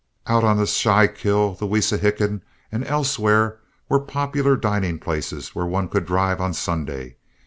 Out on the Schuylkill, the Wissahickon, and elsewhere, were popular dining places where one could drive on Sunday.